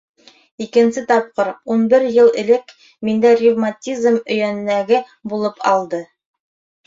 Икенсе тапҡыр, үн бер йыл элек, миндә ревматизм өйәнәге булып алды.